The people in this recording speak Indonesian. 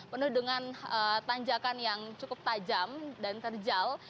penuh dengan tanjakan yang cukup tajam dan terjal